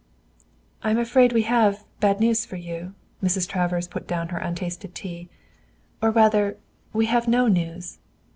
"I'm afraid we have bad news for you." Mrs. Travers put down her untasted tea. "Or rather, we have no news.